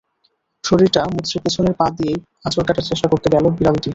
শরীরটা মুচড়ে পেছনের পা দিয়ে আঁচড় কাটার চেষ্টা করতে গেল বিড়ালটা।